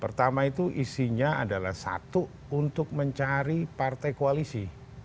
pertama itu isinya adalah satu untuk mencari partai kondisi yang berbeda